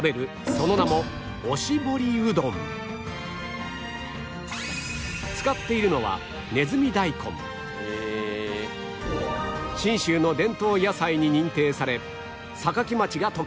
その名も使っているのは信州の伝統野菜に認定され坂城町が特産